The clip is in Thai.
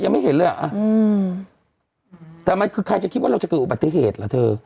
ไม่เห็นเลยอ่ะอืมแต่มันคือใครจะคิดว่าเราจะเกิดอุบัติเหตุเหรอเธอ